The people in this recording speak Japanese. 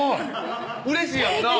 うれしいやんなぁ